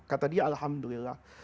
kata dia alhamdulillah